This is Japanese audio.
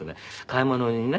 買い物にね。